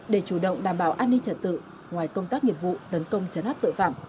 để chủ động đảm bảo an ninh trật tự ngoài công tác nghiệp vụ tấn công chấn áp tội phạm